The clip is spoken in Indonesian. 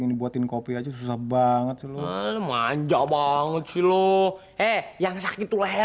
gini buatin kopi aja susah banget sih lu aja banget sih lu eh yang sakit leher